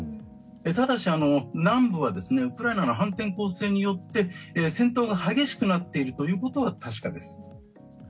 ただし、南部はウクライナの反転攻勢によって戦闘が激しくなっているということは確かです。